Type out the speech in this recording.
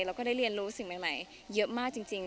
แล้วก็ได้เรียนรู้สิ่งใหม่เยอะมากจริง